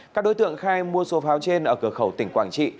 các đối tượng khai mua số pháo trên ở cửa khẩu tỉnh quảng trị